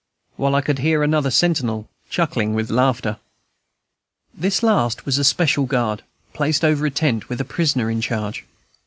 while I could hear another sentinel chuckling with laughter. This last was a special guard, placed over a tent, with a prisoner in charge.